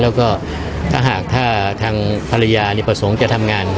แล้วก็ถ้าหากถ้าทางภรรยานี่ประสงค์จะทำงาน